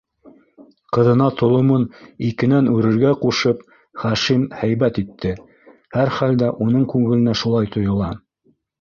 Ҡыҙына толомон икенән үрергә ҡушып, Хашим һәйбәт итте. һәр хәлдә, уның күңеленә шулай тойола.